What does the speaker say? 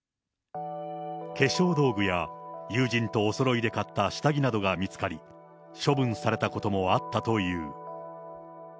化粧道具や友人とおそろいで買った下着などが見つかり、処分されたこともあったという。